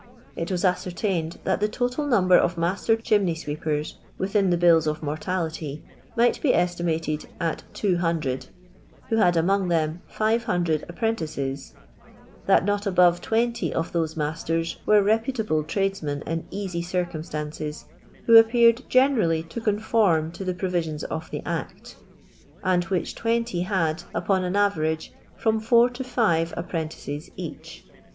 It was ascertained, that the total number of maittor chimney sweepers, within the bills of mortality, might be estimated at 200, who had among them 500 apprentices ; that not above 20 of those masters were reputable tralesnien in easy circumstances, who appeared generally to conform to the provisions of the Act ; and which 20 had, upon an nvera;.'e, from four to five apprentices each.